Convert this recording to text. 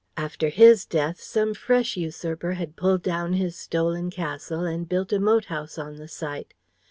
After his death some fresh usurper had pulled down his stolen castle, and built a moat house on the site.